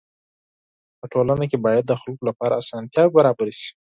په ټولنه کي باید د خلکو لپاره اسانتياوي برابري سي.